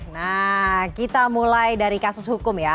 nah kita mulai dari kasus hukum ya